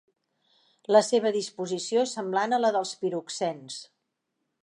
La seva disposició és semblant a la dels piroxens.